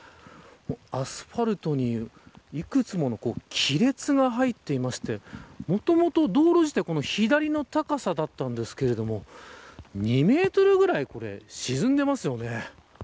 アスファルトにいくつもの亀裂が入っていましてもともと道路自体左の高さだったんですけど２メートルぐらい沈んでいますよね。